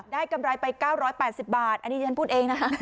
ได้กำไรไป๙๘๐บาทอันนี้ฉันพูดเองนะคะ